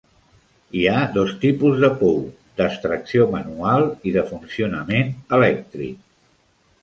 Hi ha dos tipus de pou: d'extracció manual i de funcionament elèctric.